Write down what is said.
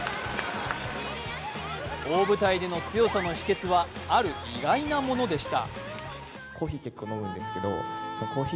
大舞台での強さの秘けつはある意外なものでした。